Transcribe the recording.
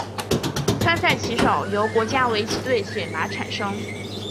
参赛棋手由国家围棋队选拔产生。